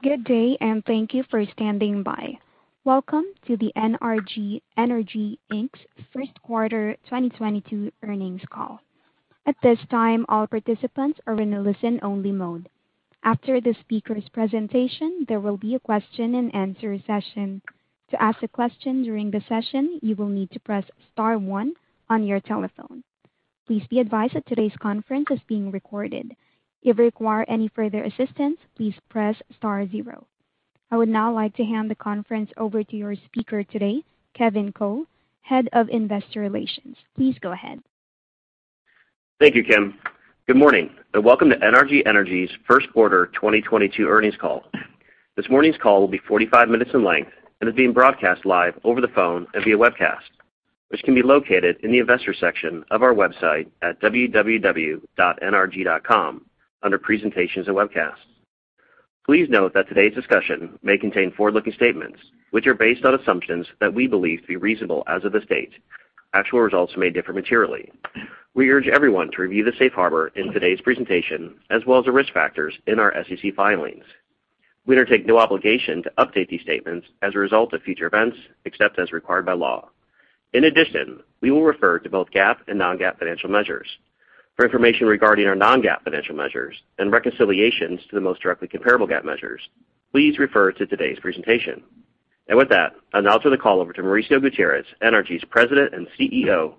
Good day, and thank you for standing by. Welcome to the NRG Energy, Inc.'s first quarter 2022 earnings call. At this time, all participants are in a listen-only mode. After the speaker's presentation, there will be a question-and-answer session. To ask a question during the session, you will need to press star one on your telephone. Please be advised that today's conference is being recorded. If you require any further assistance, please press star zero. I would now like to hand the conference over to your speaker today, Kevin Cole, Head of Investor Relations. Please go ahead. Thank you, Kim. Good morning, and welcome to NRG Energy's first-quarter 2022 earnings call. This morning's call will be 45 minutes in length and is being broadcast live over the phone and via webcast, which can be located in the Investors section of our website at www.nrg.com under presentations and webcasts. Please note that today's discussion may contain forward-looking statements, which are based on assumptions that we believe to be reasonable as of this date. Actual results may differ materially. We urge everyone to review the safe harbor in today's presentation, as well as the risk factors in our SEC filings. We undertake no obligation to update these statements as a result of future events, except as required by law. In addition, we will refer to both GAAP and non-GAAP financial measures. For information regarding our non-GAAP financial measures and reconciliations to the most directly comparable GAAP measures, please refer to today's presentation. With that, I'll now turn the call over to Mauricio Gutierrez, NRG's President and CEO.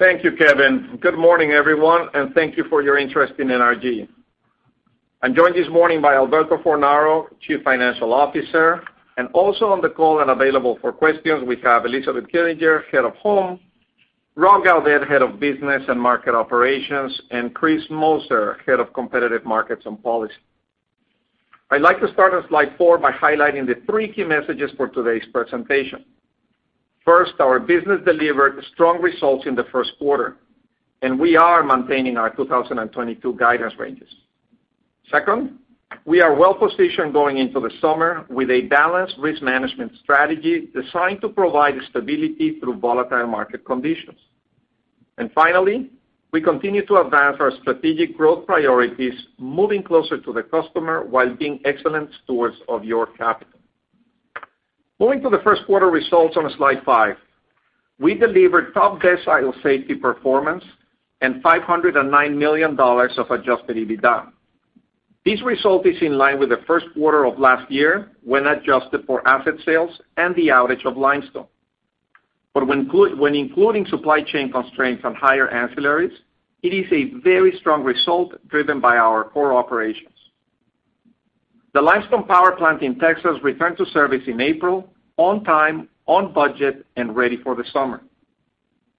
Thank you, Kevin. Good morning, everyone, and thank you for your interest in NRG. I'm joined this morning by Alberto Fornaro, Chief Financial Officer, and also on the call and available for questions, we have Elizabeth Killinger, Head of Home, Rob Gaudette, Head of Business and Market Operations, and Chris Moser, Head of Competitive Markets and Policy. I'd like to start on slide 4 by highlighting the three key messages for today's presentation. First, our business delivered strong results in the first quarter, and we are maintaining our 2022 guidance ranges. Second, we are well-positioned going into the summer with a balanced risk management strategy designed to provide stability through volatile market conditions. Finally, we continue to advance our strategic growth priorities, moving closer to the customer while being excellent stewards of your capital. Moving to the first quarter results on slide 5. We delivered top decile safety performance and $509 million of adjusted EBITDA. This result is in line with the first quarter of last year when adjusted for asset sales and the outage of Limestone. When including supply chain constraints on higher ancillaries, it is a very strong result driven by our core operations. The Limestone power plant in Texas returned to service in April on time, on budget, and ready for the summer.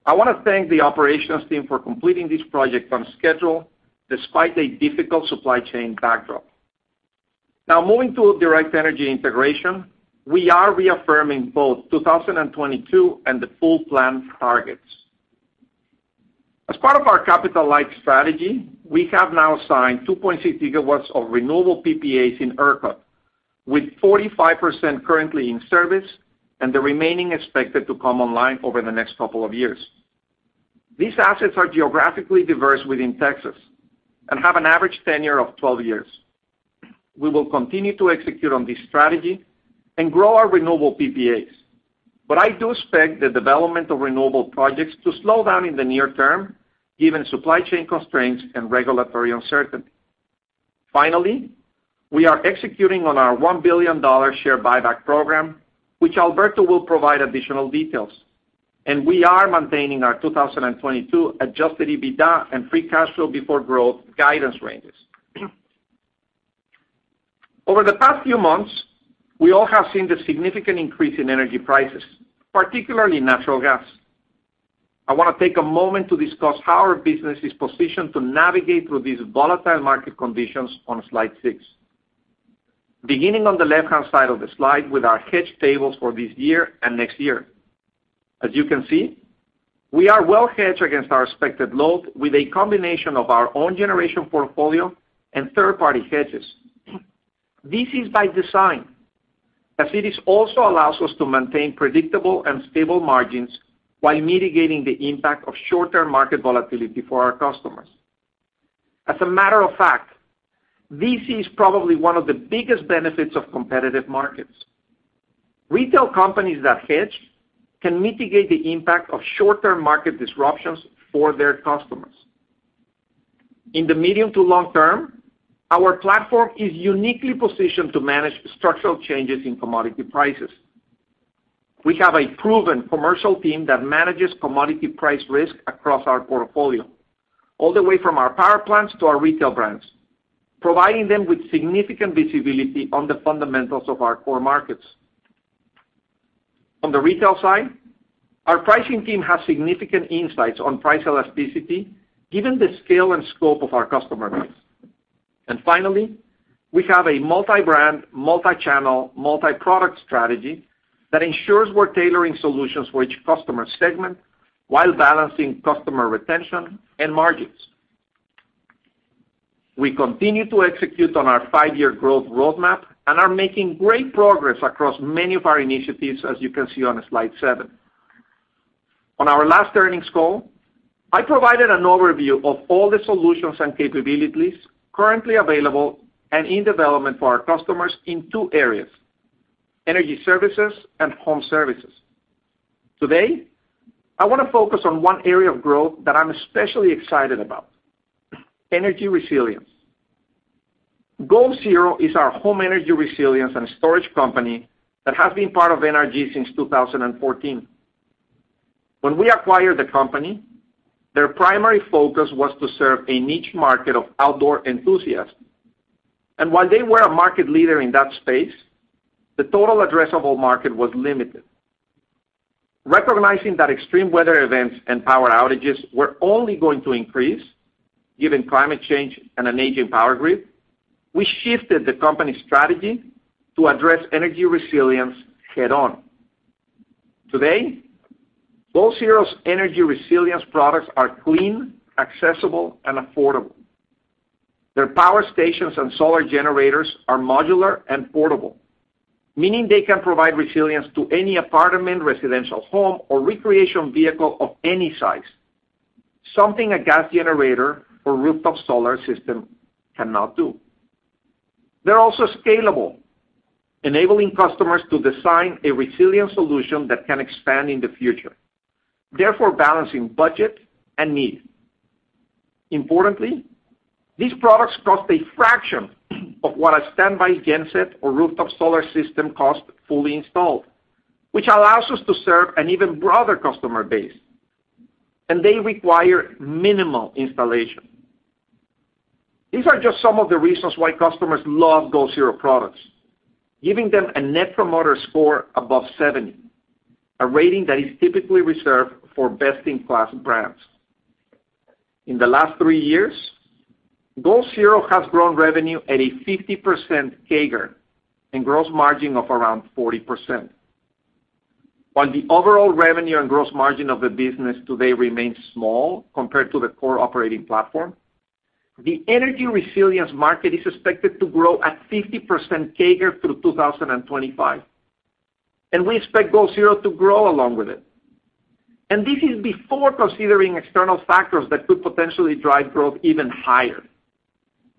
I wanna thank the operations team for completing this project on schedule despite a difficult supply chain backdrop. Now, moving to Direct Energy integration. We are reaffirming both 2022 and the full plan targets. As part of our capital-light strategy, we have now signed 2.6 gigawatts of renewable PPAs in ERCOT, with 45% currently in service and the remaining expected to come online over the next couple of years. These assets are geographically diverse within Texas and have an average tenure of 12 years. We will continue to execute on this strategy and grow our renewable PPAs. I do expect the development of renewable projects to slow down in the near term, given supply chain constraints and regulatory uncertainty. Finally, we are executing on our $1 billion share buyback program, which Alberto will provide additional details, and we are maintaining our 2022 adjusted EBITDA and free cash flow before growth guidance ranges. Over the past few months, we all have seen the significant increase in energy prices, particularly natural gas. I wanna take a moment to discuss how our business is positioned to navigate through these volatile market conditions on slide 6. Beginning on the left-hand side of the slide with our hedge tables for this year and next year. As you can see, we are well hedged against our expected load with a combination of our own generation portfolio and third-party hedges. This is by design, as it also allows us to maintain predictable and stable margins while mitigating the impact of short-term market volatility for our customers. As a matter of fact, this is probably one of the biggest benefits of competitive markets. Retail companies that hedge can mitigate the impact of short-term market disruptions for their customers. In the medium to long term, our platform is uniquely positioned to manage structural changes in commodity prices. We have a proven commercial team that manages commodity price risk across our portfolio, all the way from our power plants to our retail brands, providing them with significant visibility on the fundamentals of our core markets. On the retail side, our pricing team has significant insights on price elasticity, given the scale and scope of our customer base. Finally, we have a multi-brand, multi-channel, multi-product strategy that ensures we're tailoring solutions for each customer segment while balancing customer retention and margins. We continue to execute on our 5-year growth roadmap and are making great progress across many of our initiatives, as you can see on slide 7. On our last earnings call, I provided an overview of all the solutions and capabilities currently available and in development for our customers in two areas, energy services and home services. Today, I wanna focus on one area of growth that I'm especially excited about, energy resilience. Goal Zero is our home energy resilience and storage company that has been part of NRG since 2014. When we acquired the company, their primary focus was to serve a niche market of outdoor enthusiasts. While they were a market leader in that space, the total addressable market was limited. Recognizing that extreme weather events and power outages were only going to increase, given climate change and an aging power grid, we shifted the company's strategy to address energy resilience head-on. Today, Goal Zero's energy resilience products are clean, accessible, and affordable. Their power stations and solar generators are modular and portable, meaning they can provide resilience to any apartment, residential home, or recreation vehicle of any size, something a gas generator or rooftop solar system cannot do. They're also scalable, enabling customers to design a resilient solution that can expand in the future, therefore balancing budget and need. Importantly, these products cost a fraction of what a standby genset or rooftop solar system costs fully installed, which allows us to serve an even broader customer base, and they require minimal installation. These are just some of the reasons why customers love Goal Zero products, giving them a Net Promoter Score above 70, a rating that is typically reserved for best-in-class brands. In the last three years, Goal Zero has grown revenue at a 50% CAGR and gross margin of around 40%. While the overall revenue and gross margin of the business today remains small compared to the core operating platform, the energy resilience market is expected to grow at 50% CAGR through 2025, and we expect Goal Zero to grow along with it. This is before considering external factors that could potentially drive growth even higher.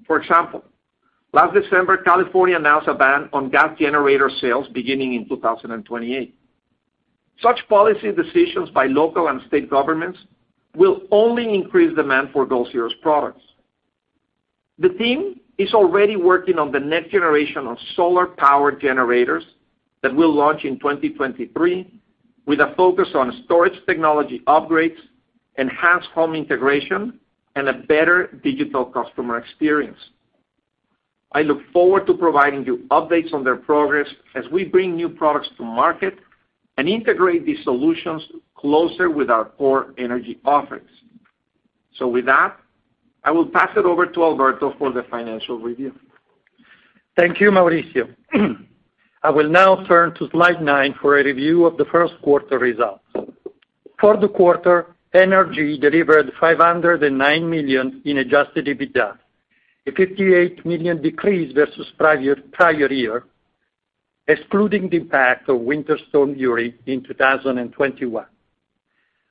For example, last December, California announced a ban on gas generator sales beginning in 2028. Such policy decisions by local and state governments will only increase demand for Goal Zero's products. The team is already working on the next generation of solar power generators that will launch in 2023 with a focus on storage technology upgrades, enhanced home integration, and a better digital customer experience. I look forward to providing you updates on their progress as we bring new products to market and integrate these solutions closer with our core energy offerings. With that, I will pass it over to Alberto for the financial review. Thank you, Mauricio. I will now turn to slide 9 for a review of the first quarter results. For the quarter, NRG delivered $509 million in adjusted EBITDA, a $58 million decrease versus prior year, excluding the impact of Winter Storm Uri in 2021.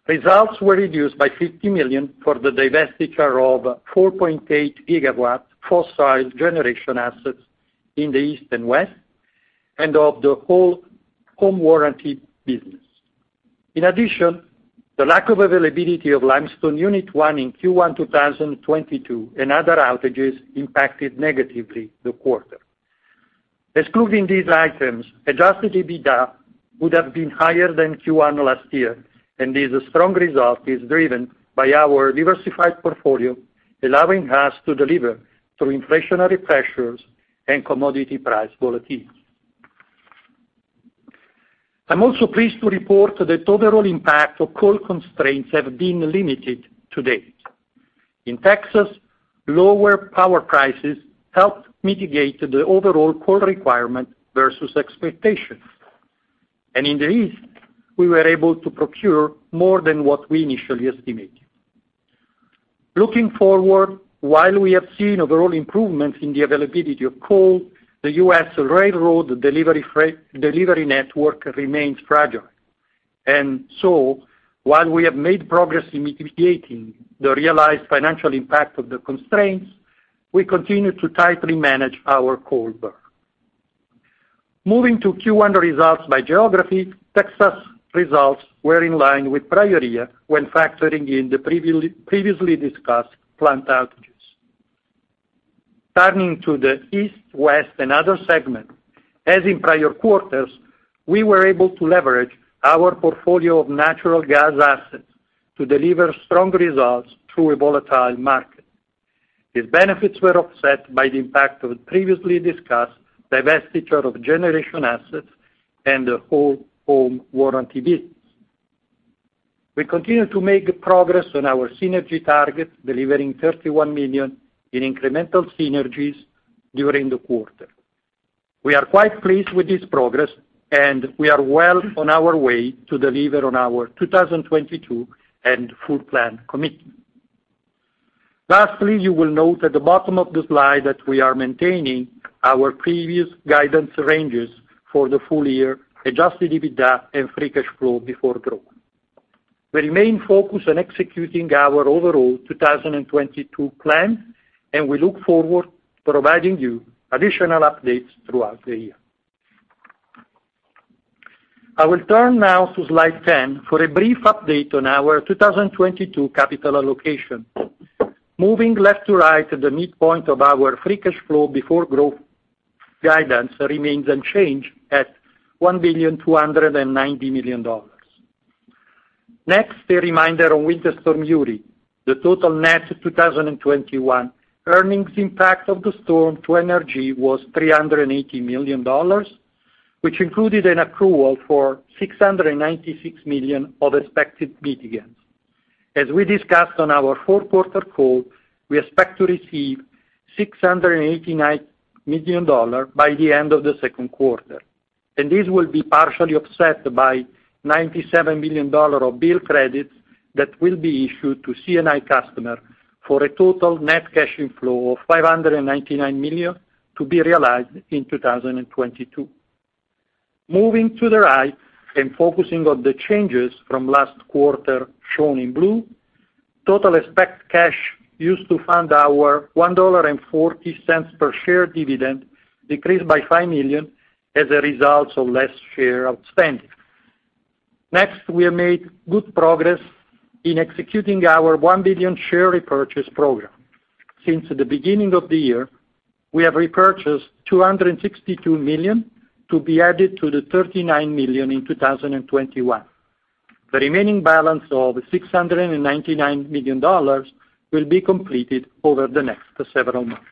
Results were reduced by $50 million for the divestiture of 4.8 gigawatts fossil generation assets in the East and West and of the whole home warranty business. In addition, the lack of availability of limestone unit one in Q1 2022 and other outages impacted negatively the quarter. Excluding these items, adjusted EBITDA would have been higher than Q1 last year, and this strong result is driven by our diversified portfolio, allowing us to deliver through inflationary pressures and commodity price volatility. I'm also pleased to report that overall impact of coal constraints have been limited to date. In Texas, lower power prices helped mitigate the overall coal requirement versus expectations. In the East, we were able to procure more than what we initially estimated. Looking forward, while we have seen overall improvements in the availability of coal, the U.S. railroad delivery network remains fragile. While we have made progress in mitigating the realized financial impact of the constraints, we continue to tightly manage our coal burn. Moving to Q1 results by geography, Texas results were in line with prior year when factoring in the previously discussed plant outages. Turning to the East, West, and other segments, as in prior quarters, we were able to leverage our portfolio of natural gas assets to deliver strong results through a volatile market. These benefits were offset by the impact of previously discussed divestiture of generation assets and the whole home warranty business. We continue to make progress on our synergy targets, delivering $31 million in incremental synergies during the quarter. We are quite pleased with this progress, and we are well on our way to deliver on our 2022 and full plan commitments. Lastly, you will note at the bottom of the slide that we are maintaining our previous guidance ranges for the full year adjusted EBITDA and free cash flow before growth. We remain focused on executing our overall 2022 plan, and we look forward to providing you additional updates throughout the year. I will turn now to slide 10 for a brief update on our 2022 capital allocation. Moving left to right at the midpoint of our free cash flow before growth guidance remains unchanged at $1.29 billion. Next, a reminder on Winter Storm Uri. The total net 2021 earnings impact of the storm to NRG was $380 million, which included an accrual for $696 million of expected mitigants. As we discussed on our fourth quarter call, we expect to receive $689 million by the end of the second quarter, and this will be partially offset by $97 million of bill credits that will be issued to CNI customers for a total net cash flow of $599 million to be realized in 2022. Moving to the right and focusing on the changes from last quarter shown in blue, total expected cash used to fund our $1.40 per share dividend decreased by $5 million as a result of fewer shares outstanding. Next, we have made good progress in executing our $1 billion share repurchase program. Since the beginning of the year, we have repurchased $262 million to be added to the $39 million in 2021. The remaining balance of $699 million will be completed over the next several months.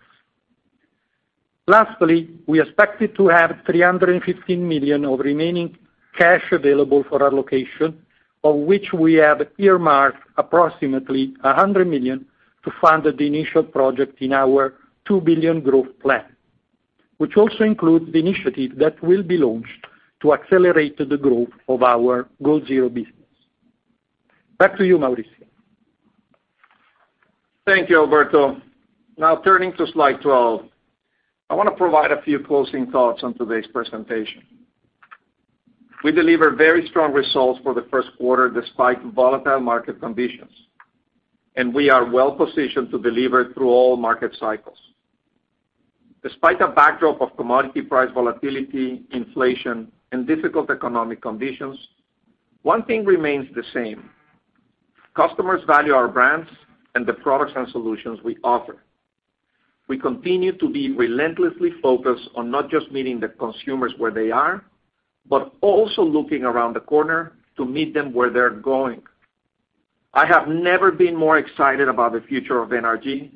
Lastly, we expected to have $315 million of remaining cash available for allocation, of which we have earmarked approximately $100 million to fund the initial project in our $2 billion growth plan, which also includes the initiative that will be launched to accelerate the growth of our Goal Zero business. Back to you, Mauricio. Thank you, Alberto. Now turning to slide 12. I wanna provide a few closing thoughts on today's presentation. We delivered very strong results for the first quarter despite volatile market conditions, and we are well positioned to deliver through all market cycles. Despite a backdrop of commodity price volatility, inflation, and difficult economic conditions, one thing remains the same. Customers value our brands and the products and solutions we offer. We continue to be relentlessly focused on not just meeting the consumers where they are, but also looking around the corner to meet them where they're going. I have never been more excited about the future of NRG,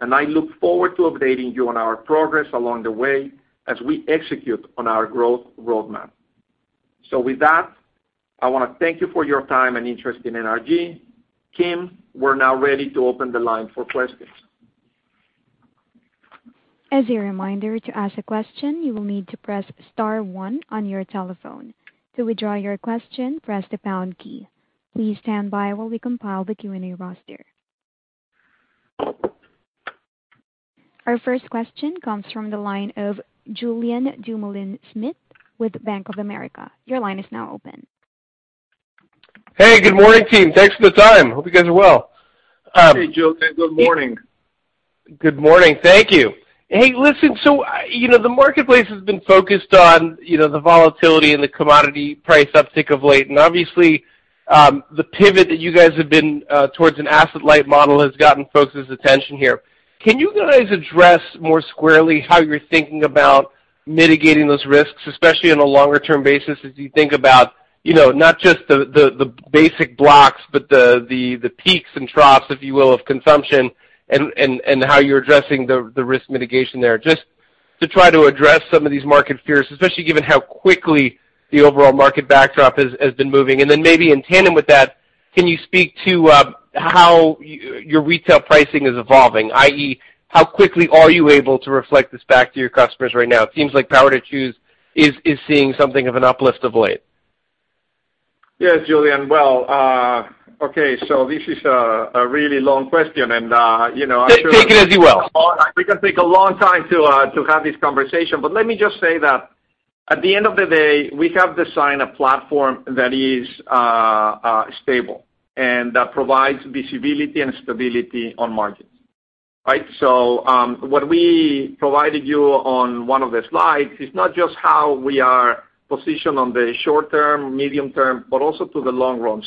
and I look forward to updating you on our progress along the way as we execute on our growth roadmap. With that, I wanna thank you for your time and interest in NRG. Kim, we're now ready to open the line for questions. As a reminder, to ask a question, you will need to press star one on your telephone. To withdraw your question, press the pound key. Please stand by while we compile the Q&A roster. Our first question comes from the line of Julien Dumoulin-Smith with Bank of America. Your line is now open. Hey, good morning, team. Thanks for the time. Hope you guys are well. Hey, Julien. Good morning. Good morning. Thank you. Hey, listen the marketplace has been focused on the volatility and the commodity price uptick of late, and obviously, the pivot that you guys have been towards an asset-light model has gotten folks' attention here. Can you guys address more squarely how you're thinking about mitigating those risks, especially on a longer term basis as you think about not just the basic blocks, but the peaks and troughs, if you will, of consumption and how you're addressing the risk mitigation there, just to try to address some of these market fears, especially given how quickly the overall market backdrop has been moving. Maybe in tandem with that, can you speak to how your retail pricing is evolving? I.e., how quickly are you able to reflect this back to your customers right now? It seems like Power to Choose is seeing something of an uplift of late. Yes, Julien. Well, okay, this is a really long question and, you know, I should- Take it as you will. We can take a long time to have this conversation. Let me just say that at the end of the day, we have designed a platform that is stable and that provides visibility and stability on margins, right? What we provided you on one of the slides is not just how we are positioned on the short term, medium term, but also to the long run.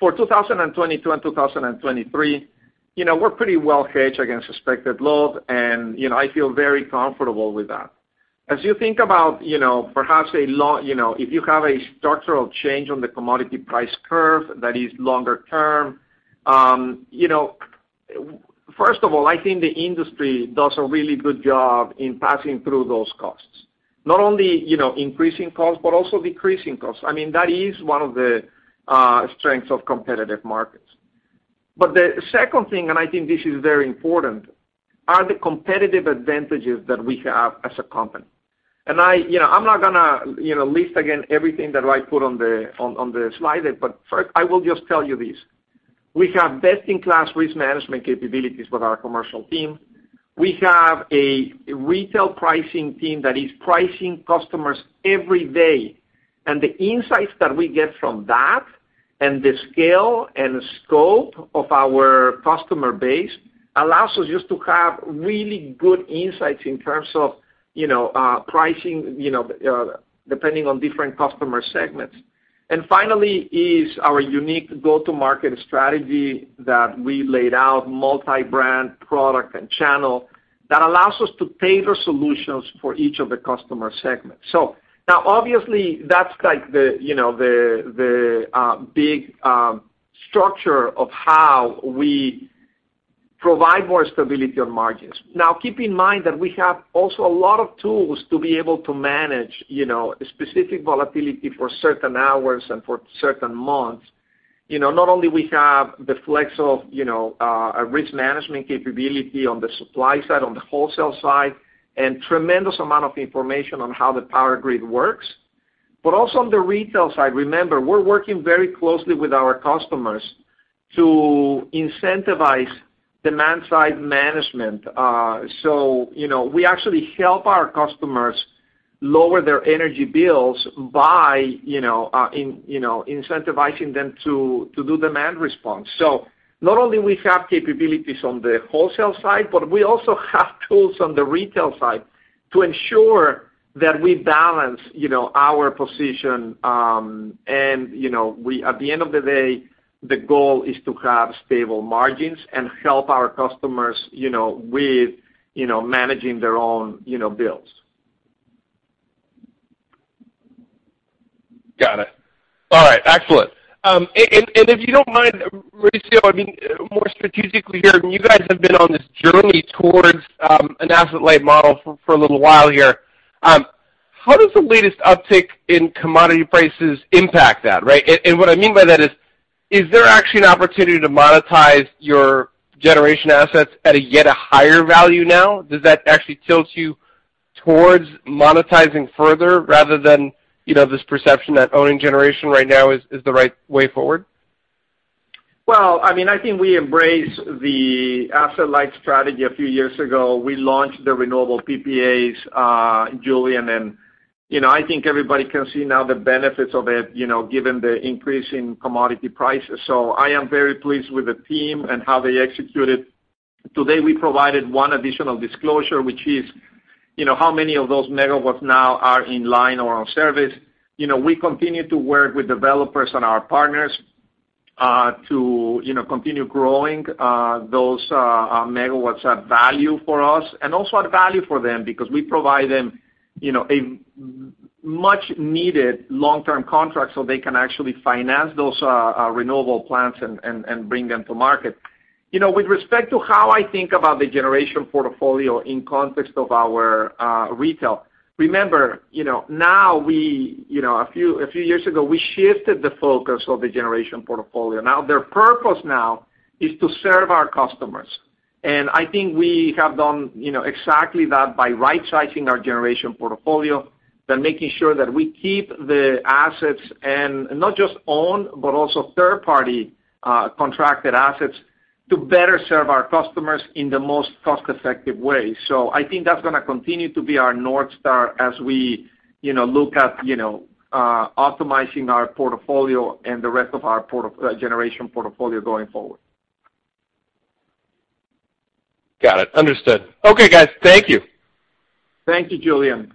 For 2022 and 2023 we're pretty well hedged against expected load, and I feel very comfortable with that. As you think about perhaps if you have a structural change on the commodity price curve that is longer term first of all, I think the industry does a really good job in passing through those costs. Not only increasing costs, but also decreasing costs. I mean, that is one of the strengths of competitive markets. The second thing, and I think this is very important. Are the competitive advantages that we have as a company. I, you know, I'm not gonna, you know, list again everything that I put on the slide, but first, I will just tell you this. We have best-in-class risk management capabilities with our commercial team. We have a retail pricing team that is pricing customers every day. And the insights that we get from that and the scale and scope of our customer base allows us just to have really good insights in terms of, you know, pricing, you know, depending on different customer segments. Finally is our unique go-to-market strategy that we laid out, multi-brand product and channel, that allows us to tailor solutions for each of the customer segments. Now obviously that's like the, you know, big structure of how we provide more stability on margins. Keep in mind that we have also a lot of tools to be able to manage, you know, specific volatility for certain hours and for certain months. Not only we have the flex of, you know, a risk management capability on the supply side, on the wholesale side, and tremendous amount of information on how the power grid works, but also on the retail side. Remember, we're working very closely with our customers to incentivize demand side management. We actually help our customers lower their energy bills by you know incentivizing them to do demand response. Not only we have capabilities on the wholesale side, but we also have tools on the retail side to ensure that we balance you know our position. At the end of the day, the goal is to have stable margins and help our customers you know with managing their own you know bills. Got it. All right. Excellent. If you don't mind, Mauricio, I mean, more strategically here, and you guys have been on this journey towards an asset-light model for a little while here. How does the latest uptick in commodity prices impact that, right? What I mean by that is there actually an opportunity to monetize your generation assets at a yet higher value now? Does that actually tilt you towards monetizing further rather than this perception that owning generation right now is the right way forward? Well, we embrace the asset-light strategy. A few years ago, we launched the renewable PPAs, Julien, and I think everybody can see now the benefits of it given the increase in commodity prices. I am very pleased with the team and how they executed. Today, we provided one additional disclosure, which is, you know, how many of those megawatts now are in line or on service. We continue to work with developers and our partners to continue growing those megawatts add value for us and also add value for them because we provide them, you know, a much needed long-term contract so they can actually finance those renewable plants and bring them to market. With respect to how I think about the generation portfolio in context of our retail, remember, you know, now we a few years ago shifted the focus of the generation portfolio. Now their purpose is to serve our customers. I think we have done exactly that by right-sizing our generation portfolio, by making sure that we keep the assets and not just own, but also third-party contracted assets to better serve our customers in the most cost-effective way. I think that's gonna continue to be our North Star as we look at, you know, optimizing our portfolio and the rest of our generation portfolio going forward. Got it. Understood. Okay, guys. Thank you. Thank you, Julien.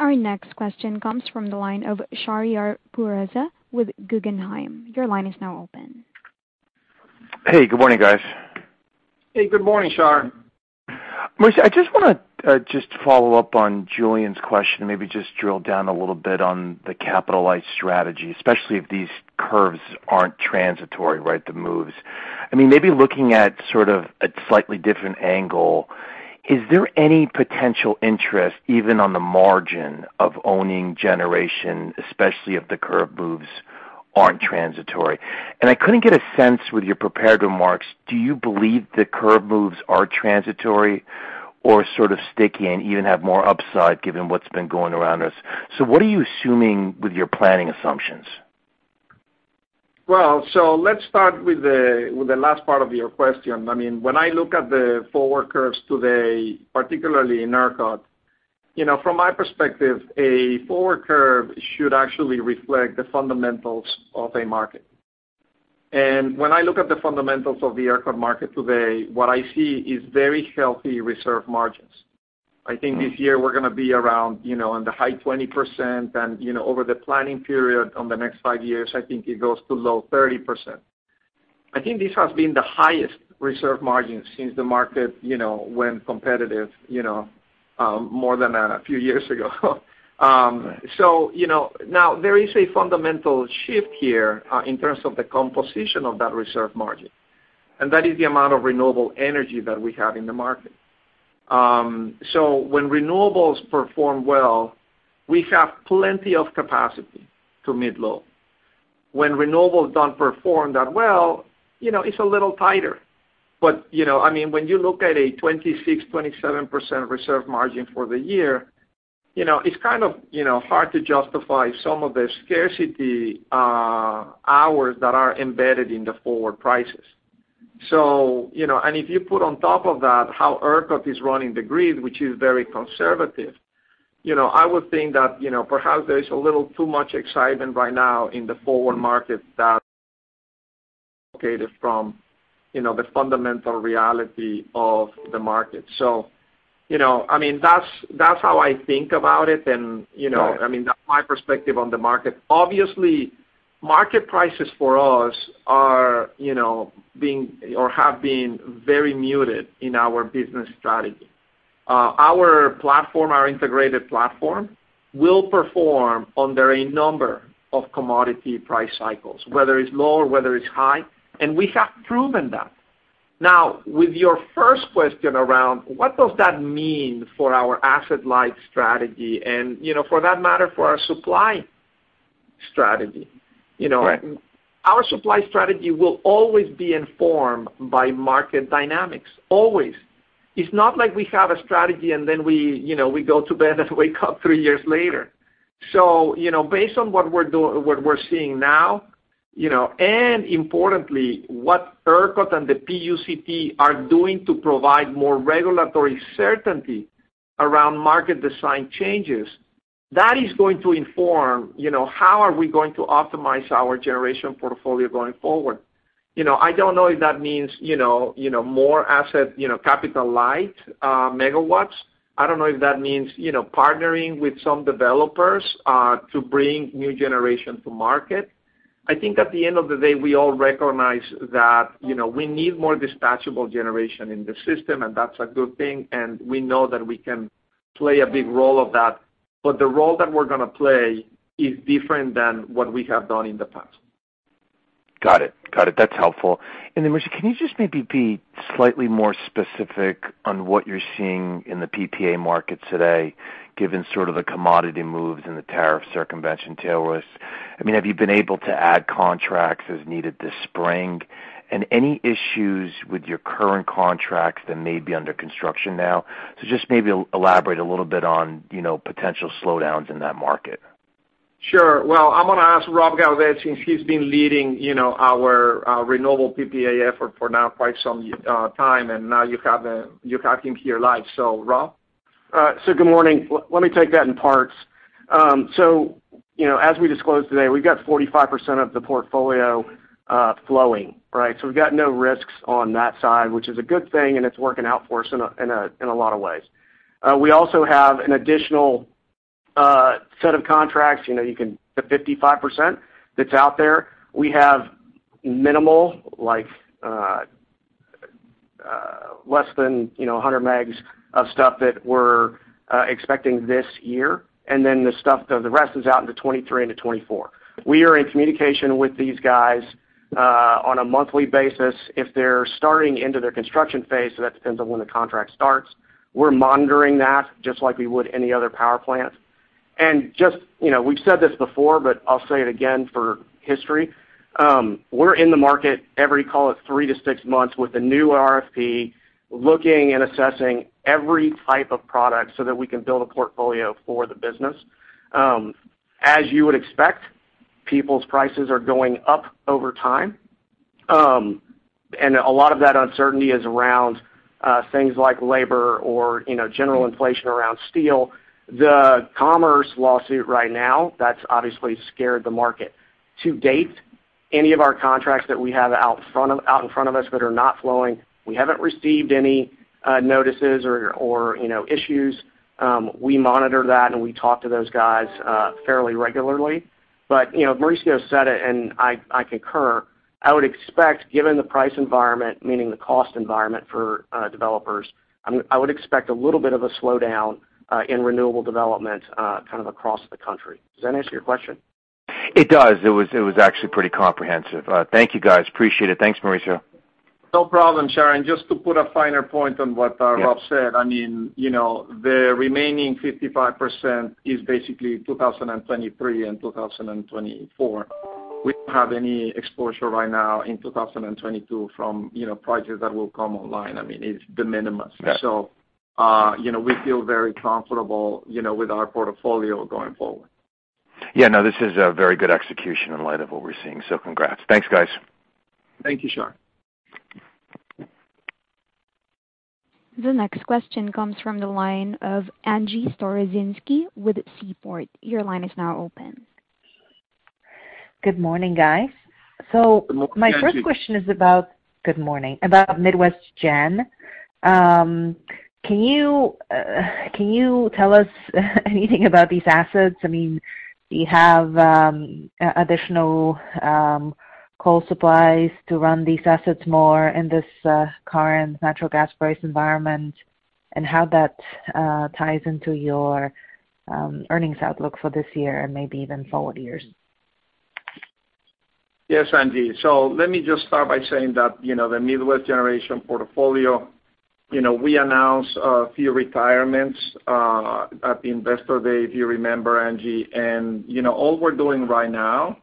Our next question comes from the line of Shahriar Pourreza with Guggenheim. Your line is now open. Hey, good morning, guys. Hey, good morning, Shar. Mauricio, I just wanna just follow up on Julien's question and maybe just drill down a little bit on the capital-light strategy, especially if these curves aren't transitory, right? The moves. I mean, maybe looking at sort of a slightly different angle, is there any potential interest, even on the margin of owning generation, especially if the curve moves aren't transitory? I couldn't get a sense with your prepared remarks, do you believe the curve moves are transitory or sort of sticky and even have more upside given what's been going around us? What are you assuming with your planning assumptions? Well, let's start with the last part of your question. I mean, when I look at the forward curves today, particularly in ERCOT, you know, from my perspective, a forward curve should actually reflect the fundamentals of a market. When I look at the fundamentals of the ERCOT market today, what I see is very healthy reserve margins. I think this year we're gonna be around, you know, in the high 20% and over the planning period on the next five years, I think it goes to low 30%. I think this has been the highest reserve margin since the market, you know, went competitive, you know, more than a few years ago. Now there is a fundamental shift here in terms of the composition of that reserve margin, and that is the amount of renewable energy that we have in the market. When renewables perform well, we have plenty of capacity to meet load. When renewables don't perform that well it's a little tighter. You know, I mean, when you look at a 26%-27% reserve margin for the year, you know, it's kind of hard to justify some of the scarcity hours that are embedded in the forward prices. If you put on top of that how ERCOT is running the grid, which is very conservative, you know, I would think that, you know, perhaps there's a little too much excitement right now in the forward market that is divorced from the fundamental reality of the market. That's how I think about it. That's my perspective on the market. Obviously, market prices for us are being or have been very muted. In our business strategy, our platform, our integrated platform will perform under a number of commodity price cycles, whether it's low or whether it's high, and we have proven that. Now, with your first question around what does that mean for our asset-light strategy and, you know, for that matter, for our supply strategy. Our supply strategy will always be informed by market dynamics, always. It's not like we have a strategy, and then we go to bed and wake up three years later. You know, based on what we're seeing now and importantly, what ERCOT and the PUCT are doing to provide more regulatory certainty around market design changes, that is going to inform how we are going to optimize our generation portfolio going forward. I don't know if that means, you know, more asset capital light megawatts. I don't know if that means, you know, partnering with some developers to bring new generation to market. I think at the end of the day, we all recognize that we need more dispatchable generation in the system, and that's a good thing, and we know that we can play a big role of that. But the role that we're gonna play is different than what we have done in the past. Got it. Got it. That's helpful. Mauricio, can you just maybe be slightly more specific on what you're seeing in the PPA market today, given sort of the commodity moves and the tariff circumvention tail risk? I mean, have you been able to add contracts as needed this spring? And any issues with your current contracts that may be under construction now? Just maybe elaborate a little bit on, you know, potential slowdowns in that market. Sure. Well, I'm gonna ask Rob Gaudette since he's been leading, you know, our renewable PPA effort for now quite some time, and now you have him here live. Rob? All right. Good morning. Let me take that in parts. You know, as we disclosed today, we've got 45% of the portfolio flowing, right? We've got no risks on that side, which is a good thing, and it's working out for us in a lot of ways. We also have an additional set of contracts, you know, the 55% that's out there. We have minimal, less than, you know, 100 MW of stuff that we're expecting this year. Then the rest is out into 2023 and to 2024. We are in communication with these guys on a monthly basis. If they're starting into their construction phase, that depends on when the contract starts. We're monitoring that just like we would any other power plant. Just we've said this before, but I'll say it again for history. We're in the market every, call it 3-6 months, with a new RFP looking and assessing every type of product so that we can build a portfolio for the business. As you would expect, people's prices are going up over time. A lot of that uncertainty is around things like labor or, you know, general inflation around steel. The commerce lawsuit right now, that's obviously scared the market. To date, any of our contracts that we have out in front of us that are not flowing, we haven't received any notices or issues. We monitor that, and we talk to those guys fairly regularly. You know, Mauricio said it, and I concur. I would expect, given the price environment, meaning the cost environment for developers, I would expect a little bit of a slowdown in renewable development kind of across the country. Does that answer your question? It does. It was actually pretty comprehensive. Thank you guys. Appreciate it. Thanks, Mauricio. No problem, Shar. Just to put a finer point on what Rob said, I mean, you know, the remaining 55% is basically 2023 and 2024. We don't have any exposure right now in 2022 from, you know, projects that will come online. I mean, it's de minimis. Yeah. You know, we feel very comfortable, you know, with our portfolio going forward. Yeah, no, this is a very good execution in light of what we're seeing. Congrats. Thanks, guys. Thank you, Shar. The next question comes from the line of Angie Storozynski with Seaport. Your line is now open. Good morning, guys. Good morning, Angie. Good morning. My first question is about Midwest Generation. Can you tell us anything about these assets? I mean, do you have additional coal supplies to run these assets more in this current natural gas price environment, and how that ties into your earnings outlook for this year and maybe even forward years? Yes, Angie. Let me just start by saying that the Midwest Generation portfolio we announced a few retirements at the Investor Day, if you remember, Angie. You know, all we're doing right now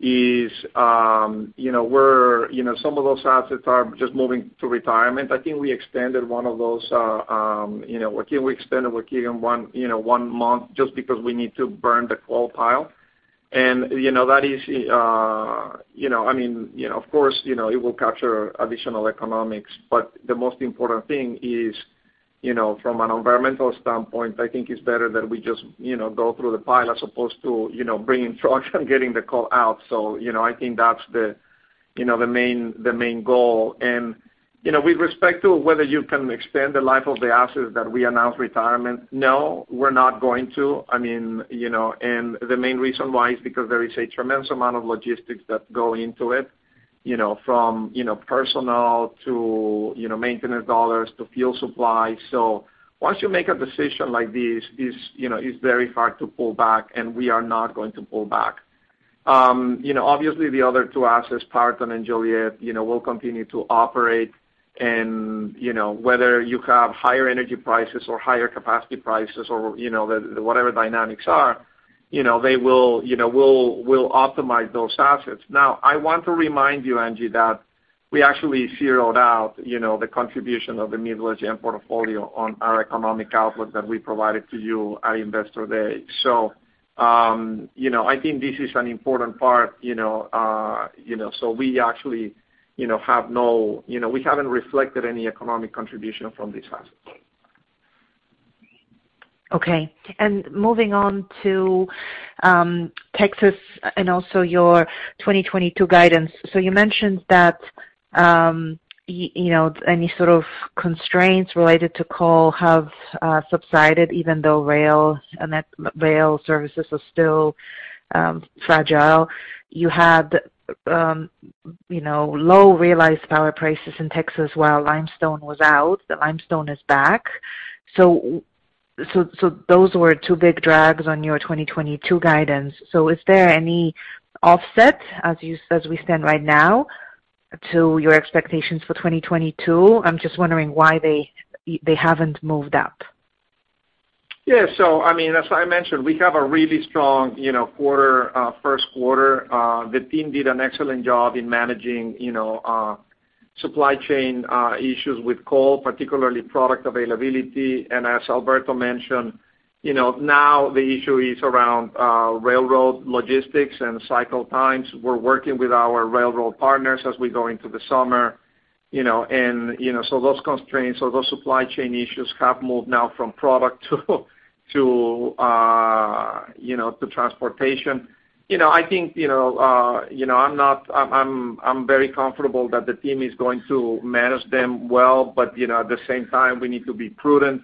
is some of those assets are just moving to retirement. I think we extended Waukegan one month just because we need to burn the coal pile. You know, that is, you know, I mean of course it will capture additional economics. The most important thing is, you know, from an environmental standpoint, I think it's better that we just go through the pile as opposed to, you know, bringing trucks and getting the coal out. I think that's the, you know, the main goal. you know, with respect to whether you can extend the life of the assets that we announced retirement, no, we're not going to. I mean the main reason why is because there is a tremendous amount of logistics that go into it, you know, from, personnel to maintenance dollars to fuel supply. once you make a decision like this, it's it's very hard to pull back, and we are not going to pull back. you know, obviously the other two assets, Powerton and Joliet, you know, will continue to operate and, you know, whether you have higher energy prices or higher capacity prices or the, whatever dynamics are they will, we'll optimize those assets. Now, I want to remind you, Angie, that we actually zeroed out, you know, the contribution of the Midwest gen portfolio on our economic outlook that we provided to you at Investor Day. I think this is an important part so we actually have no we haven't reflected any economic contribution from these assets. Okay. Moving on to Texas and also your 2022 guidance. You mentioned that you know any sort of constraints related to coal have subsided even though rail and that rail services are still fragile. You had you know low realized power prices in Texas while limestone was out. The limestone is back. Those were two big drags on your 2022 guidance. Is there any offset as we stand right now to your expectations for 2022? I'm just wondering why they haven't moved up. Yeah. I mean, as I mentioned, we have a really strong quarter, first quarter. The team did an excellent job in managing supply chain issues with coal, particularly product availability. As Alberto mentioned now the issue is around railroad logistics and cycle times. We're working with our railroad partners as we go into the summer, you know. Those constraints or those supply chain issues have moved now from product to transportation. I think I'm very comfortable that the team is going to manage them well. At the same time, we need to be prudent.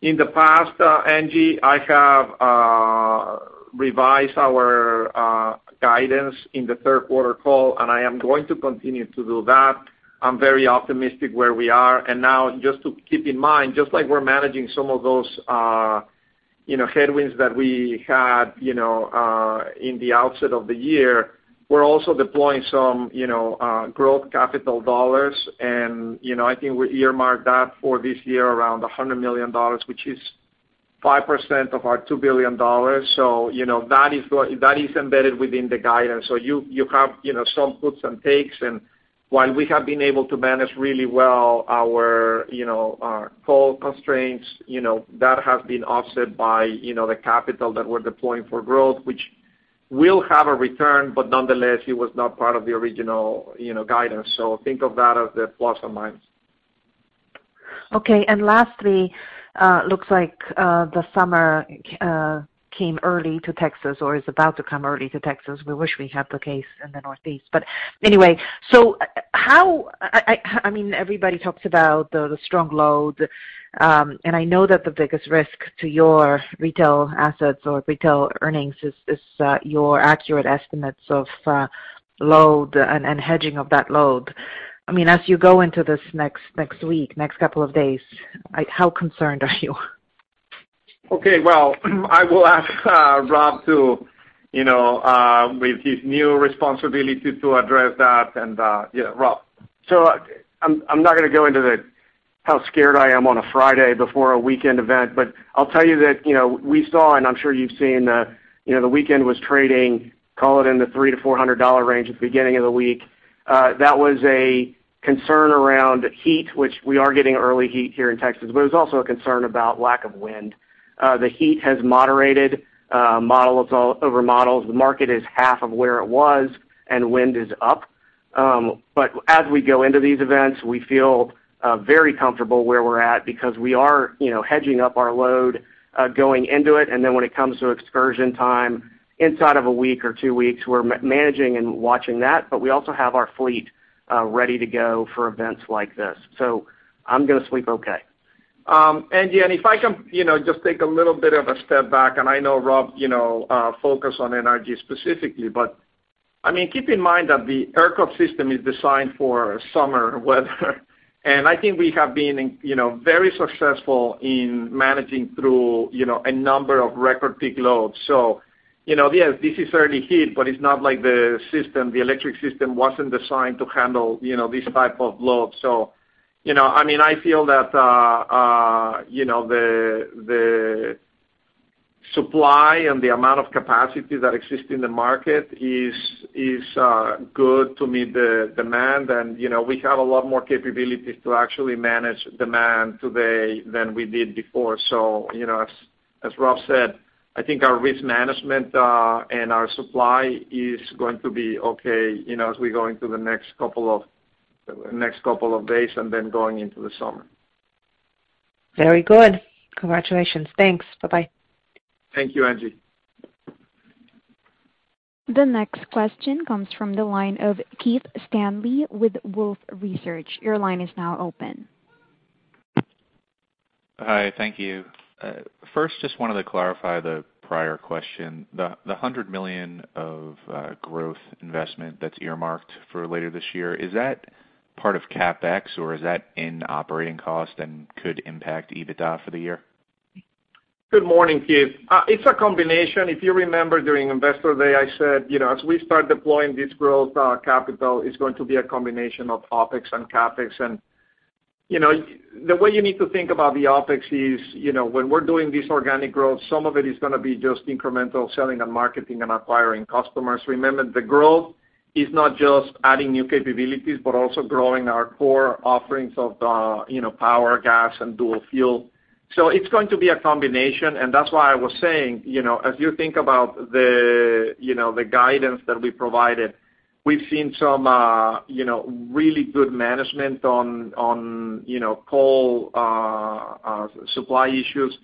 In the past, Angie, I have revised our guidance in the third quarter call, and I am going to continue to do that. I'm very optimistic where we are. Now just to keep in mind, just like we're managing some of those, you know, headwinds that we had in the outset of the year, we're also deploying some growth capital dollars. We earmarked that for this year around $100 million, which is 5% of our $2 billion. That is embedded within the guidance, so you have some puts and takes. While we have been able to manage really well our coal constraints, you know, that has been offset by, you know, the capital that we're deploying for growth, which will have a return, but nonetheless, it was not part of the original, you know, guidance. Think of that as the plus or minus. Okay. Lastly, looks like the summer came early to Texas or is about to come early to Texas. We wish we had the case in the Northeast. Anyway, I mean, everybody talks about the strong load. I know that the biggest risk to your retail assets or retail earnings is your accurate estimates of load and hedging of that load. I mean, as you go into this next week, next couple of days, like how concerned are you? Okay. Well, I will ask Rob to, you know, with his new responsibility to address that. Yeah, Rob. I'm not gonna go into how scared I am on a Friday before a weekend event, but I'll tell you that we saw and I'm sure you've seen, you know, the weekend was trading, call it in the $300-$400 range at the beginning of the week. That was a concern around heat, which we are getting, early heat here in Texas, but it was also a concern about lack of wind. The heat has moderated, models all over models. The market is half of where it was and wind is up. As we go into these events, we feel very comfortable where we're at because we are, you know, hedging up our load, going into it. When it comes to excursion time inside of a week or two weeks, we're managing and watching that, but we also have our fleet ready to go for events like this. I'm gonna sleep okay. Angie, if I can just take a little bit of a step back, I know Rob, you know, focus on NRG specifically, but I mean, keep in mind that the ERCOT system is designed for summer weather. I think we have been, you know, very successful in managing through, you know, a number of record peak loads. You know, yes, this is certainly heat, but it's not like the system, the electric system wasn't designed to handle this type of load. I feel that the supply and the amount of capacity that exists in the market is good to meet the demand. We have a lot more capabilities to actually manage demand today than we did before. You know, as Rob said, I think our risk management and our supply is going to be okay, you know, as we go into the next couple of days and then going into the summer. Very good. Congratulations. Thanks. Bye-bye. Thank you, Angie. The next question comes from the line of Keith Stanley with Wolfe Research. Your line is now open. Hi, thank you. First, just wanted to clarify the prior question. The $100 million of growth investment that's earmarked for later this year, is that part of CapEx, or is that in operating cost and could impact EBITDA for the year? Good morning, Keith. It's a combination. If you remember during Investor Day, I said as we start deploying this growth capital, it's going to be a combination of OpEx and CapEx. You know, the way you need to think about the OpEx is, you know, when we're doing this organic growth, some of it is gonna be just incremental selling and marketing and acquiring customers. Remember, the growth is not just adding new capabilities, but also growing our core offerings of power, gas, and dual fuel. It's going to be a combination, and that's why I was saying as you think about the the guidance that we provided, we've seen some really good management on coal supply issues.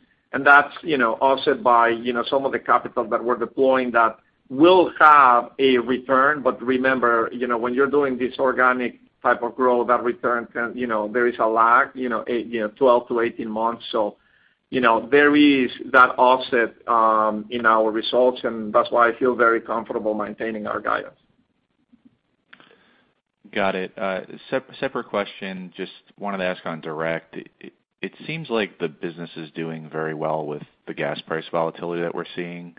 That's offset by some of the capital that we're deploying that will have a return. Remember when you're doing this organic type of growth, that return can there is a lag8 12-18 months. There is that offset in our results, and that's why I feel very comfortable maintaining our guidance. Got it. Separate question. Just wanted to ask on Direct. It seems like the business is doing very well with the gas price volatility that we're seeing.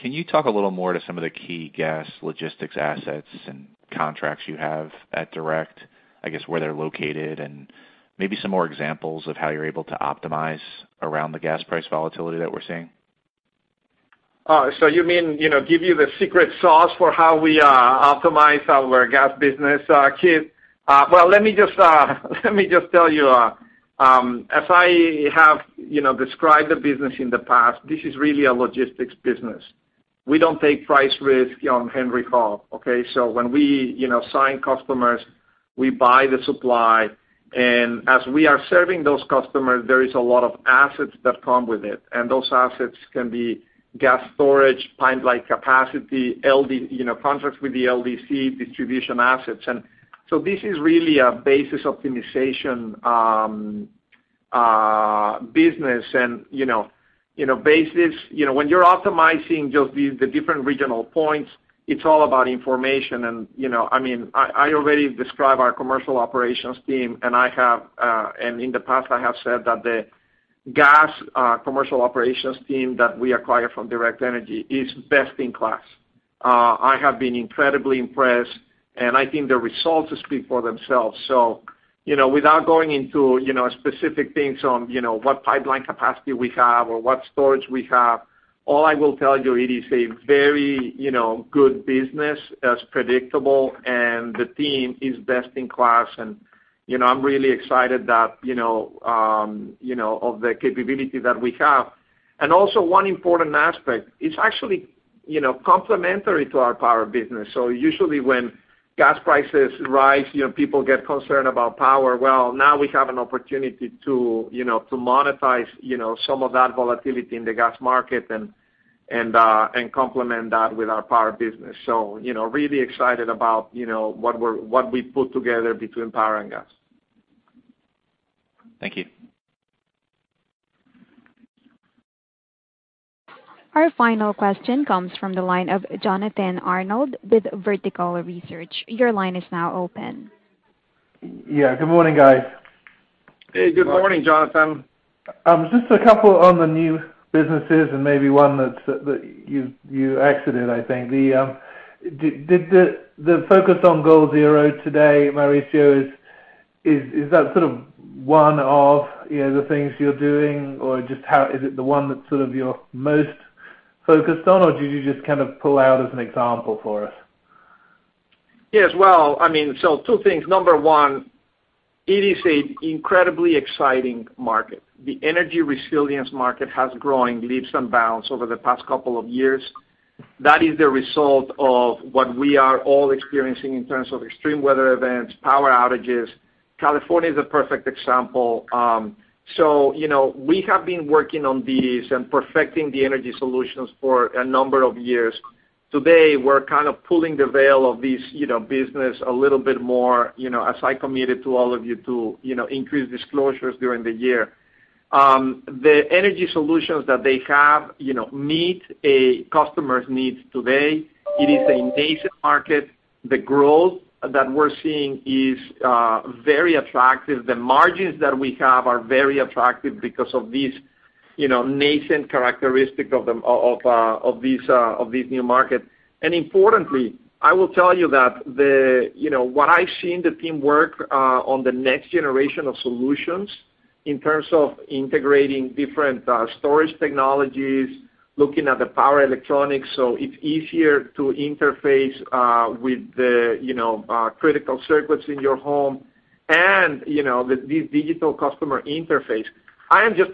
Can you talk a little more to some of the key gas logistics assets and contracts you have at Direct? I guess where they're located, and maybe some more examples of how you're able to optimize around the gas price volatility that we're seeing. Give you the secret sauce for how we optimize our gas business, Keith? Well, let me just tell you, as I have described the business in the past, this is really a logistics business. We don't take price risk on Henry Hub, okay? So when we sign customers, we buy the supply, and as we are serving those customers, there is a lot of assets that come with it, and those assets can be gas storage, pipeline capacity, LDC contracts with the LDC distribution assets. This is really a basis optimization business. Basis when you're optimizing just these, the different regional points, it's all about information. I already described our commercial operations team, and in the past I have said that the gas commercial operations team that we acquired from Direct Energy is best in class. I have been incredibly impressed, and I think the results speak for themselves. Without going into specific things on what pipeline capacity we have or what storage we have, all I will tell you, it is a very good business that's predictable, and the team is best in class. I'm really excited of the capability that we have. Also one important aspect, it's actually complementary to our power business. Usually when gas prices rise, you know, people get concerned about power. Well, now we have an opportunity to monetize some of that volatility in the gas market and complement that with our power business. Really excited about what we put together between power and gas. Thank you. Our final question comes from the line of Jonathan Arnold with Vertical Research. Your line is now open. Yeah. Good morning, guys. Hey, good morning, Jonathan. Just a couple on the new businesses and maybe one that you mentioned, I think. Did the focus on Goal Zero today, Mauricio, is that sort of one of the things you're doing? Or just how is it the one that's sort of you're most focused on, or did you just kind of pull out as an example for us? Yes. Well, I mean, two things. Number one, it is an incredibly exciting market. The energy resilience market has grown leaps and bounds over the past couple of years. That is the result of what we are all experiencing in terms of extreme weather events, power outages. California is a perfect example. We have been working on these and perfecting the energy solutions for a number of years. Today, we're kind of pulling the veil of this business a little bit more, you know, as I committed to all of you to increase disclosures during the year. The energy solutions that they have meet a customer's needs today. It is a nascent market. The growth that we're seeing is very attractive. The margins that we have are very attractive because of these nascent characteristic of them of this new market. Importantly, I will tell you that what I've seen the team work on the next generation of solutions in terms of integrating different storage technologies, looking at the power electronics, so it's easier to interface with the critical circuits in your home and the digital customer interface. I am just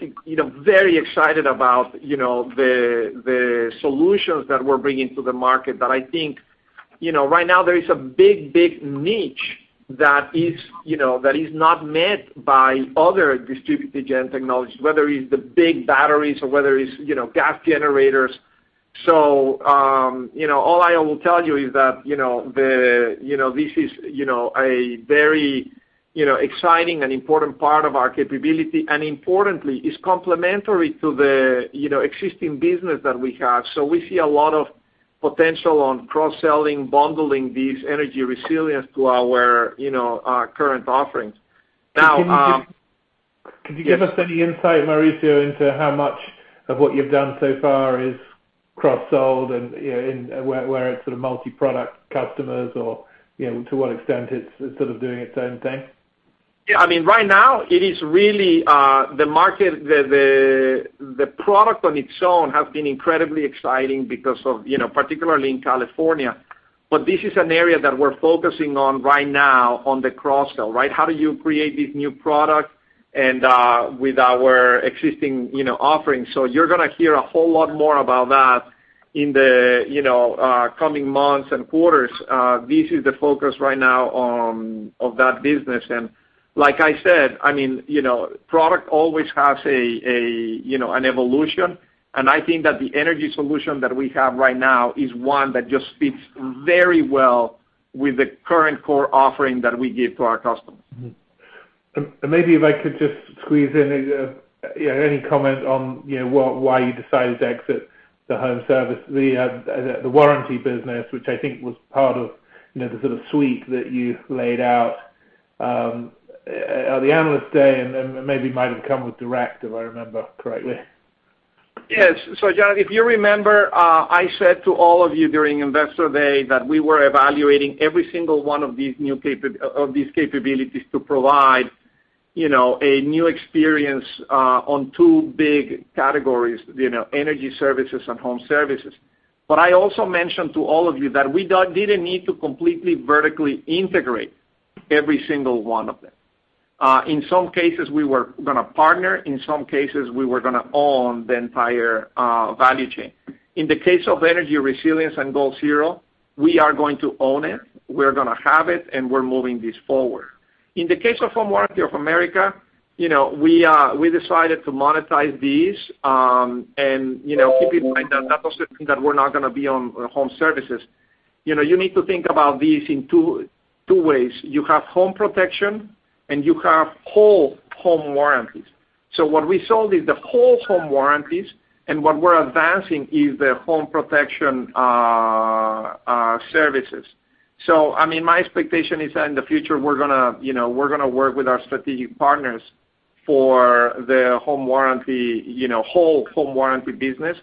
very excited about the solutions that we're bringing to the market that I think right now there is a big niche that is not met by other distributed gen technologies, whether it's the big batteries or whether it's, you know, gas generators. All I will tell you is that this is a very exciting and important part of our capability, and importantly, it's complementary to the existing business that we have. We see a lot of potential on cross-selling, bundling these energy resilience to our current offerings. Now, Can you give us any insight, Mauricio, into how much of what you've done so far is cross-sold and where it's sort of multi-product customers or to what extent it's sort of doing its own thing? Yeah. I mean, right now it is really the market, the product on its own has been incredibly exciting because of particularly in California. This is an area that we're focusing on right now on the cross-sell, right? How do you create this new product and with our existing offerings? You're gonna hear a whole lot more about that in the coming months and quarters. This is the focus right now on, of that business. Like I said, I mean product always has a, you know, an evolution. I think that the energy solution that we have right now is one that just fits very well with the current core offering that we give to our customers. Mm-hmm. Maybe if I could just squeeze in any comment on why you decided to exit the home service, the warranty business, which I think was part of the sort of suite that you laid out at the analyst day and then maybe might have come with Direct, if I remember correctly. Yes. John, if you remember, I said to all of you during Investor Day that we were evaluating every single one of these new capabilities to provide a new experience on two big categories, you know, energy services and home services. I also mentioned to all of you that we didn't need to completely vertically integrate every single one of them. In some cases, we were gonna partner, in some cases, we were gonna own the entire value chain. In the case of energy resilience and Goal Zero, we are going to own it, we're gonna have it, and we're moving this forward. In the case of Home Warranty of America we decided to monetize this, andkeep in mind that that doesn't mean that we're not gonna be on home services. You need to think about this in two ways. You have home protection and you have whole home warranties. What we sold is the whole home warranties, and what we're advancing is the home protection services. I mean, my expectation is that in the future we're gonna we're gonna work with our strategic partners for the home warranty, you know, whole home warranty business.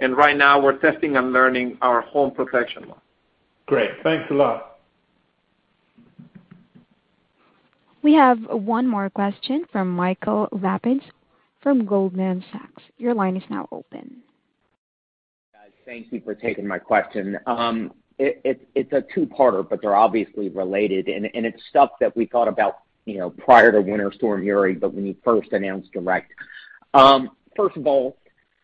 Right now we're testing and learning our home protection one. Great. Thanks a lot. We have one more question from Michael Lapides from Goldman Sachs. Your line is now open. Thank you for taking my question. It's a two-parter, but they're obviously related, and it's stuff that we thought about, you know, prior to Winter Storm Uri, but when you first announced Direct. First of all,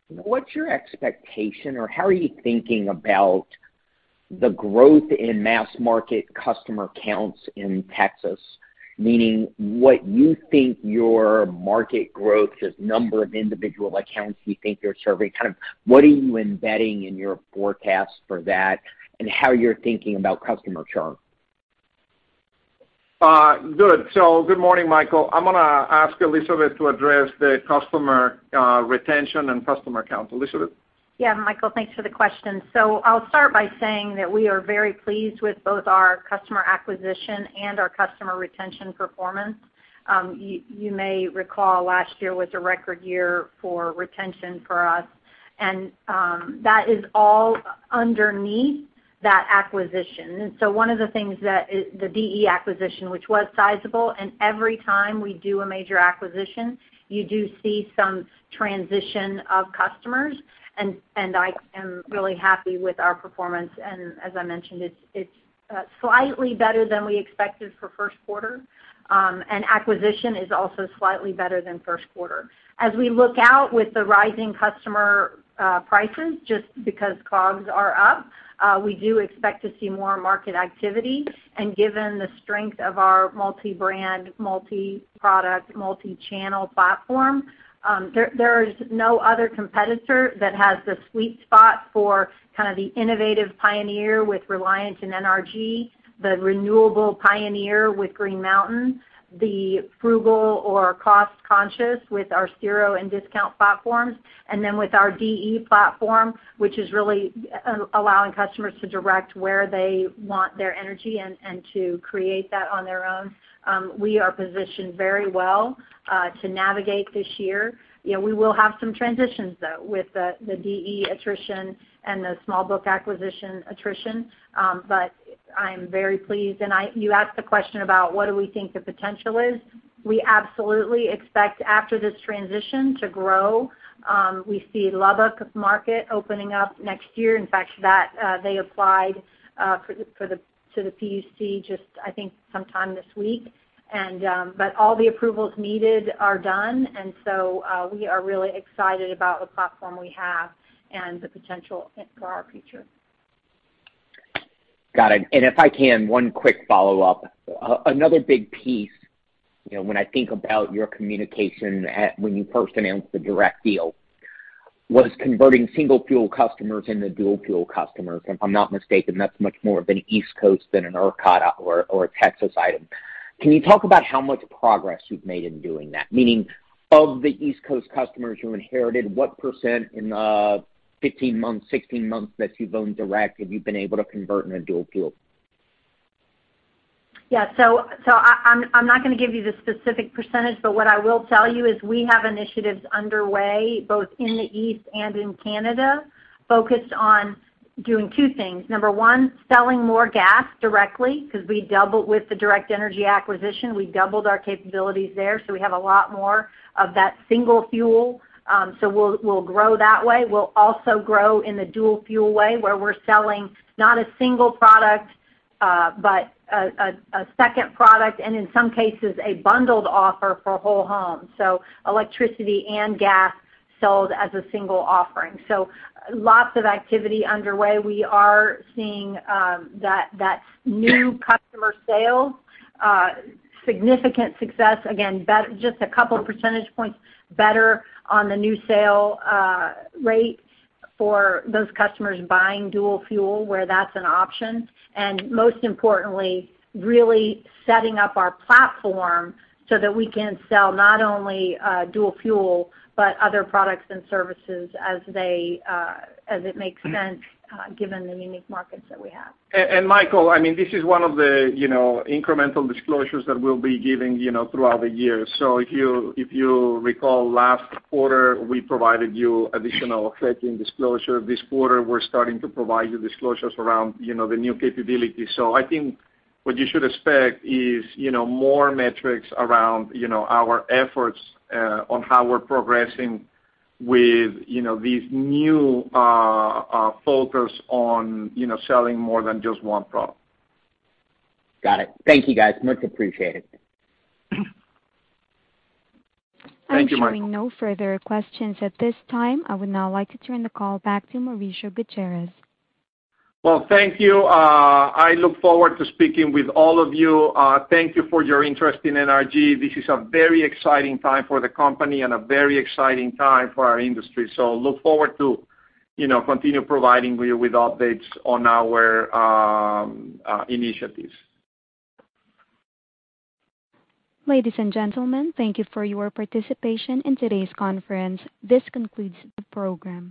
what's your expectation, or how are you thinking about the growth in mass market customer counts in Texas? Meaning, what you think your market growth as number of individual accounts you think you're serving, kind of what are you embedding in your forecast for that and how you're thinking about customer churn? Good. Good morning, Michael. I'm gonna ask Elizabeth to address the customer retention and customer count. Elizabeth? Yeah, Michael, thanks for the question. I'll start by saying that we are very pleased with both our customer acquisition and our customer retention performance. You may recall last year was a record year for retention for us. That is all underneath that acquisition. One of the things that is the DE acquisition, which was sizable, and every time we do a major acquisition, you do see some transition of customers. I am really happy with our performance. As I mentioned, it's slightly better than we expected for first quarter. Acquisition is also slightly better than first quarter. As we look out with the rising customer prices, just because COGS are up, we do expect to see more market activity. Given the strength of our multi-brand, multi-product, multi-channel platform, there is no other competitor that has the sweet spot for kind of the innovative pioneer with Reliant and NRG, the renewable pioneer with Green Mountain, the frugal or cost-conscious with our Cirro and discount platforms, and then with our DE platform, which is really allowing customers to direct where they want their energy and to create that on their own. We are positioned very well to navigate this year. You know, we will have some transitions though, with the DE attrition and the small book acquisition attrition. But I'm very pleased. You asked the question about what do we think the potential is. We absolutely expect after this transition to grow. We see Lubbock market opening up next year. In fact, that they applied to the PUC just I think sometime this week. All the approvals needed are done, and so we are really excited about the platform we have and the potential for our future. Got it. If I can, one quick follow-up. Another big piece when I think about your communication at, when you first announced the Direct deal, was converting single fuel customers into dual fuel customers. If I'm not mistaken, that's much more of an East Coast than an ERCOT or a Texas item. Can you talk about how much progress you've made in doing that? Meaning of the East Coast customers you inherited, what % in the 15 months, 16 months that you've owned Direct, have you been able to convert into dual fuel? Yeah. I'm not gonna give you the specific percentage, but what I will tell you is we have initiatives underway, both in the East and in Canada, focused on doing two things. Number one, selling more gas directly, 'cause with the Direct Energy acquisition, we doubled our capabilities there, so we have a lot more of that single fuel. We'll grow that way. We'll also grow in the dual fuel way, where we're selling not a single product, but a second product, and in some cases, a bundled offer for whole home. Electricity and gas sold as a single offering. Lots of activity underway. We are seeing that new customer sale significant success. Again, be just a couple percentage points better on the new sale rate for those customers buying dual fuel, where that's an option. Most importantly, really setting up our platform so that we can sell not only dual fuel, but other products and services as it makes sense, given the unique markets that we have. Michael, I mean, this is one of the incremental disclosures that we'll be giving throughout the year. If you recall last quarter, we provided you additional hedging disclosure. This quarter, we're starting to provide you disclosures around the new capabilities. I think what you should expect is more metrics around our efforts on how we're progressing with, you know, these new focus on selling more than just one product. Got it. Thank you, guys. Much appreciated. Thank you, Michael. I'm showing no further questions at this time. I would now like to turn the call back to Mauricio Gutierrez. Well, thank you. I look forward to speaking with all of you. Thank you for your interest in NRG. This is a very exciting time for the company and a very exciting time for our industry. Look forward to, you know, continue providing you with updates on our initiatives. Ladies and gentlemen, thank you for your participation in today's conference. This concludes the program.